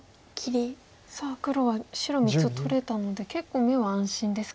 さあ黒は白３つを取れたので結構眼は安心ですか。